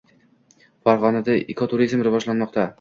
Farg‘onada ekoturizm rivojlanmoqda